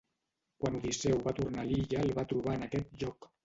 Quan Odisseu va tornar a l'illa el va trobar en aquest lloc.